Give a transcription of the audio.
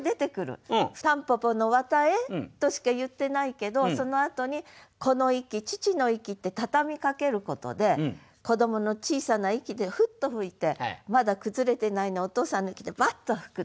「たんぽぽの絮へ」としか言ってないけどそのあとに「子の息父の息」って畳みかけることで子どもの小さな息でフッと吹いてまだ崩れてないのをお父さんの息でバッと吹くと。